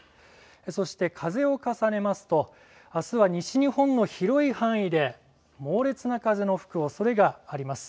そして風を重ねますと、あすは西日本の広い範囲で猛烈な風の吹くおそれがあります。